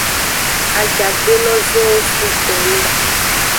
Ajagbe lozenwo sugbo lo.